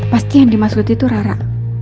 pasti yang dimaksud itu rara